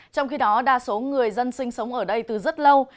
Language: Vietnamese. trong khi đó đa số người dân sinh sống ở đây từ rất lâu